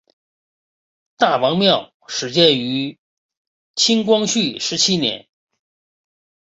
大王庙始建于清光绪十七年。